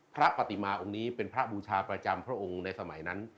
พระปฏิมาองค์นี้เป็นพระบูชาประจำพระองค์ในสมัยนั้น